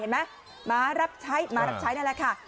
เห็นมะมารับใช้มารับใช้น่ะแล้วค่ะ